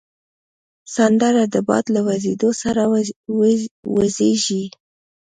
سندره د باد له وزېدو سره وږیږي